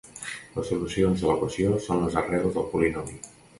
Les solucions de l'equació són les arrels del polinomi.